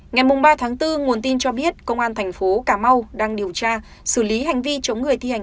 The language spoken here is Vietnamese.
ngày ba bốn nguồn tin cho biết công an thành phố cà mau đang điều tra xử lý hành vi chống người thi hành